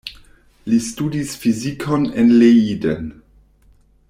Li studis fizikon en Leiden.